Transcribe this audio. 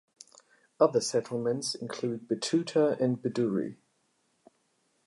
Other settlements include Betoota and Bedourie.